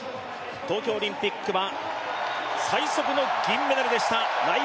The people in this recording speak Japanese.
東京オリンピックは最速の銀メダルでした